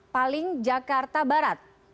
paling jakarta barat